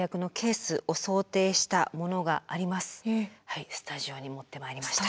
スタジオに持ってまいりました。